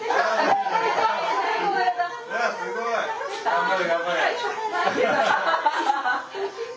頑張れ頑張れ。